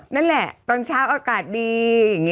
นั่นแหละตอนเช้าอากาศดี